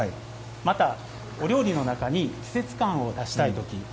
また、お料理の中に季節感を出したい時。